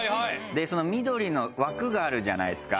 でその緑の枠があるじゃないですか。